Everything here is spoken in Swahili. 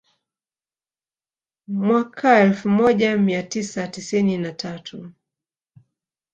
Mwaka mwaka elfu moja mia tisa tisini na tatu